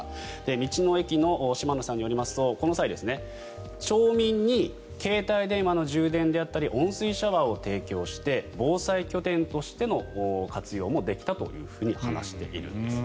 道の駅の嶋野さんのよりますとこの際、町民に携帯電話の充電であったり温水シャワーを提供して防災拠点としての活用もできたと話しているんです。